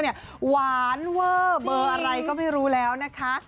หวานเวอร์เบอร์อะไรก็ไม่รู้แล้วนะคะ